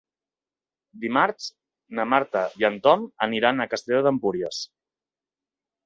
Dimarts na Marta i en Tom aniran a Castelló d'Empúries.